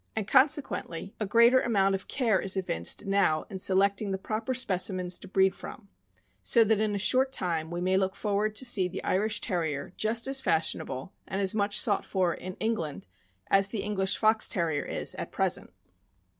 and consequently a greater amount of care is evinced now in selecting the proper specimens to breed from ; so that in a short time we may look forward to see the Irish Terrier just as fashionable and as much sought for in England as the English Fox Terrier is at present.